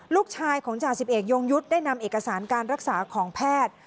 ลูกชายของจ่าสิบเอกยงยุทธ์ได้นำเอกสารการรักษาของแพทย์